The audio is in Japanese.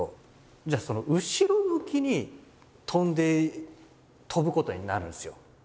じゃあ後ろ向きに飛んで飛ぶことになるんですよ。